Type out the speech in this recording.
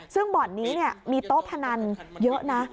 ซึ่งบอร์ดนี้เนี่ยมีโต๊ะพนันเยอะนะ